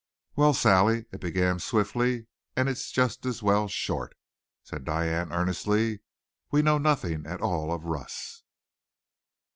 "Well, Sally, it began swiftly and it's just as well short," said Diane earnestly. "We know nothing at all of Russ."